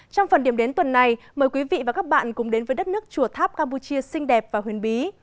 trong phần điểm đến tuần này mời quý vị và các bạn cùng đến với đất nước chùa tháp campuchia xinh đẹp và huyền bí